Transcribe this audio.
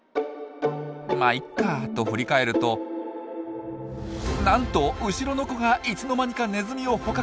「まっいいか」と振り返るとなんと後ろの子がいつの間にかネズミを捕獲！